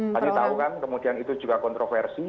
tadi tahu kan kemudian itu juga kontroversi